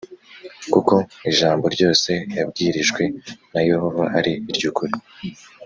Kuko ijambo ryose yabwirijwe na Yehova ari iryukuri